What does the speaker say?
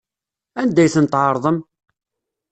Anda ay ten-tɛerḍem?